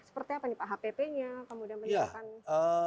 seperti apa nih pak hpp nya